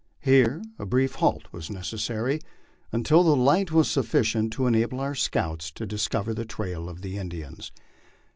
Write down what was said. Here a brief halt was necessary, until the light was sufficient to enable our scouts to discover the trail of the Indians.